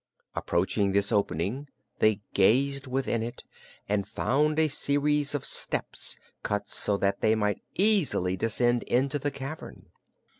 Approaching this opening, they gazed within it and found a series of steps, cut so that they might easily descend into the cavern.